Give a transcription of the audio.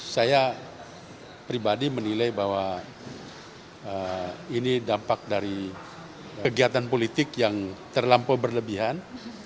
saya pribadi menilai bahwa ini dampak dari kegiatan politik yang terlampau berlebihan